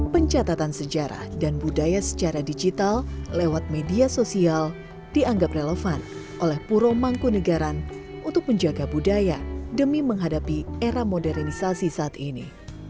pencatatan sejarah dan budaya secara digital lewat media sosial dianggap relevan oleh puro mangkunegaran untuk menjaga budaya demi menghadapi era modernisasi saat ini